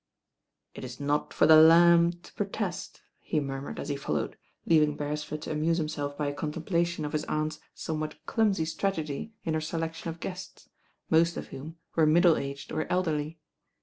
"It is not for the lamb to protest," he murmured as he followed, leaving Beresford to amuse him self by a contemplation of his aunt's somewhat clumsy strategy in her selection of guests, most of whom were middle aged or elderly.